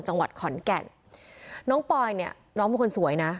จังหวัดขอนแก่นน้องปอยเนี่ยน้องเป็นคนสวยนะ